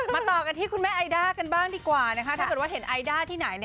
ต่อกันที่คุณแม่ไอด้ากันบ้างดีกว่านะคะถ้าเกิดว่าเห็นไอด้าที่ไหน